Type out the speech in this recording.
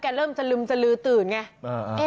แกเริ่มจะลืมจะลือตื่นไงเออเออ